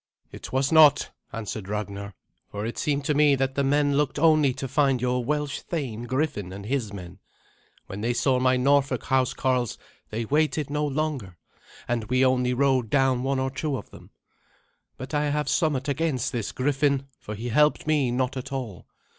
"It was not," answered Ragnar, "for it seemed to me that the men looked only to find your Welsh thane Griffin and his men. When they saw my Norfolk housecarls, they waited no longer, and we only rode down one or two of them. But I have somewhat against this Griffin, for he helped me not at all.